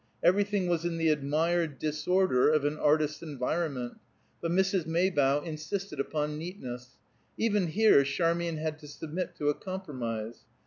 Everything was in the admired disorder of an artist's environment; but Mrs. Maybough insisted upon neatness. Even here Charmian had to submit to a compromise.